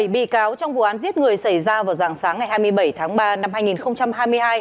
bảy bị cáo trong vụ án giết người xảy ra vào dạng sáng ngày hai mươi bảy tháng ba năm hai nghìn hai mươi hai